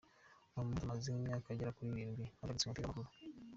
Muhamud: Maze nk’imyaka igera kuri irindwi mpagaritse umupira w’amaguru.